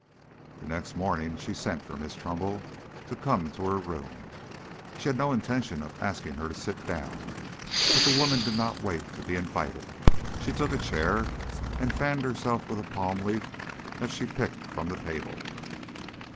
The next morning she sent for Miss Trumbull to come to her room. She had no intention of asking her to sit down, but the woman did not wait to be invited. She took a chair and fanned herself with a palm leaf that she picked from the table.